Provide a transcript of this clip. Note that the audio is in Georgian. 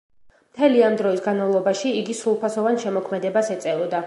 მთელი ამ დროის განმავლობაში იგი სრულფასოვან შემოქმედებას ეწეოდა.